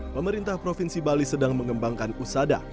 pemerintah provinsi bali sedang mengembangkan pusada